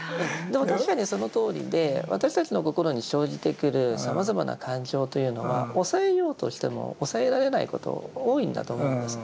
でも確かにそのとおりで私たちの心に生じてくるさまざまな感情というのは抑えようとしても抑えられないことが多いんだと思うんです。